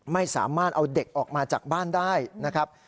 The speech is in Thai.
ไม่สามารถเอาเด็กออกมาจากบ้านได้นะครับ